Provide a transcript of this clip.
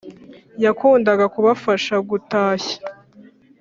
yakundaga kubafasha gutashya,